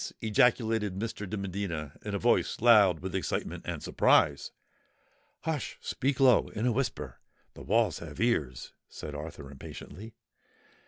ejaculated Mr. de Medina, in a voice loud with excitement and surprise. "Hush! speak low—in a whisper—the walls have ears!" said Arthur impatiently.